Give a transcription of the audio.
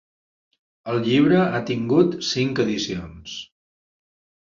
El llibre ha tingut cinc edicions.